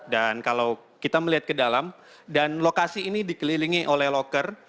dan kalau kita melihat ke dalam dan lokasi ini dikelilingi oleh loker